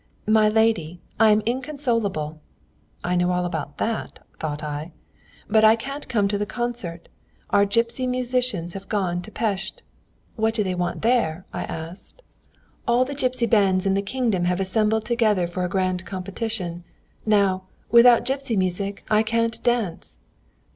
"'My lady! I am inconsolable' ('I know all about that!' thought I) 'but I can't come to the concert. Our gipsy musicians have gone to Pest.' ('What do they want there?' I asked.) 'All the gipsy bands in the kingdom have assembled together for a grand competition.... Now, without gipsy music I can't dance.